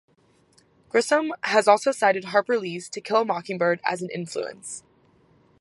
Grisham has also cited Harper Lee's "To Kill a Mockingbird" as an influence.